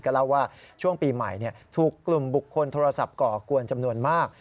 เล่าว่าช่วงปีใหม่ถูกกลุ่มบุคคลโทรศัพท์ก่อกวนจำนวนมาก